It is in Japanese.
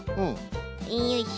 よいしょ。